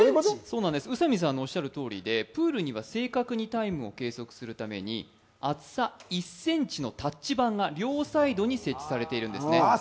宇佐美さんのおっしゃるとおりで、プールには正確にタイムを計測するために厚さ１ｃｍのタッチ板が両サイドに設置されているんですね。